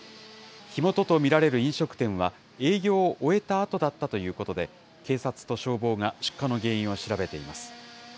火元と見られる飲食店は営業を終えたあとだったということで、警察と消防が出火の原因を調べています。